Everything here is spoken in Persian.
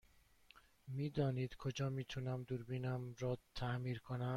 می دانید کجا می تونم دوربینم را تعمیر کنم؟